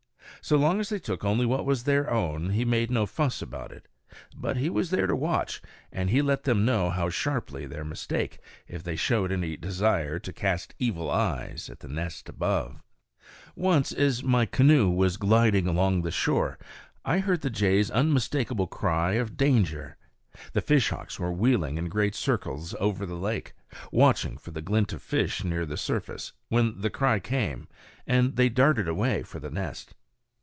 So long as they took only what was their own, he made no fuss about it; but he was there to watch, and he let them know sharply their mistake, if they showed any desire to cast evil eyes at the nest above. [Illustration: "PRESENTLY THEY BEGAN TO SWOOP FIERCELY AT SOME ANIMAL"] Once, as my canoe was gliding along the shore, I heard the jays' unmistakable cry of danger. The fishhawks were wheeling in great circles over the lake, watching for the glint of fish near the surface, when the cry came, and they darted away for the nest.